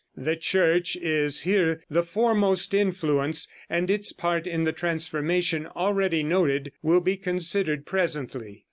The Church is here the foremost influence, and its part in the transformation already noted will be considered presently.